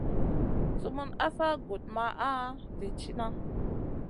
Sumun asa gudmaha zi tiyna.